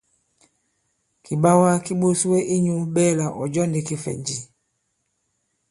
Kìɓawa ki ɓōs wɛ i nyū ɓɛ̄ɛlà ɔ̀ jɔ ndī kifɛ̀nji?